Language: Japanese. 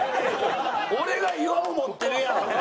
俺が岩尾持ってるやん。